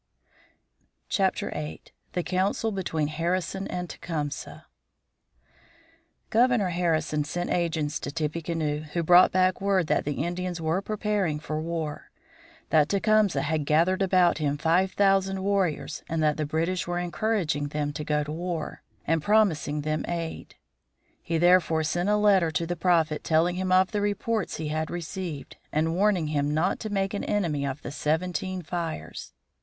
VIII. THE COUNCIL BETWEEN HARRISON AND TECUMSEH Governor Harrison sent agents to Tippecanoe, who brought back word that the Indians were preparing for war; that Tecumseh had gathered about him five thousand warriors, and that the British were encouraging them to go to war, and promising them aid. He therefore sent a letter to the Prophet telling him of the reports he had received, and warning him not to make an enemy of the Seventeen Fires.